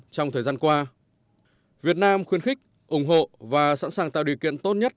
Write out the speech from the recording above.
trong thời gian qua việt nam khuyên khích ủng hộ và sẵn sàng tạo điều kiện tốt nhất